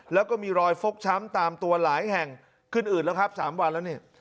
แล้วก็มีรอยฟกช้ำตามตัวหลายแห่งขึ้นอืดแล้วครับ๓วันแล้วเนี่ย